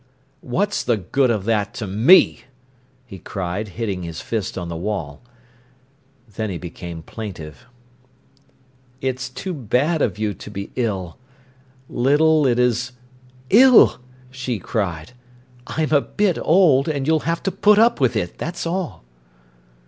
"What's the good of that to me?" he cried, hitting his fist on the wall. Then he became plaintive. "It's too bad of you to be ill. Little, it is—" "Ill!" she cried. "I'm a bit old, and you'll have to put up with it, that's all."